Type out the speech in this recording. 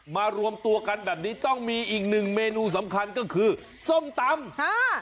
มารวมตัวกันแบบนี้ต้องมีอีกหนึ่งเมนูสำคัญก็คือส้มตำค่ะ